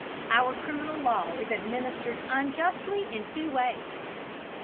Our criminal law is administered unjustly in two ways.